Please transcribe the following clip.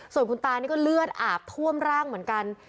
ส่วนคุณตานี่ก็เลือดอาบท่วมร่างเหมือนกัน